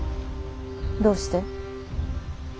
どうして。